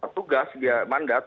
tugas dia mandat